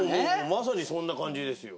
まさにそんな感じですよ。